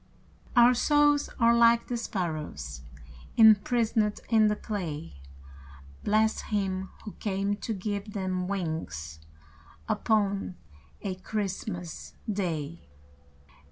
Our souls are like the sparrows Imprisoned in the clay, Bless Him who came to give them wings Upon a Christmas Day!